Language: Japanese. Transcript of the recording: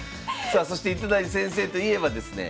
さあそして糸谷先生といえばですね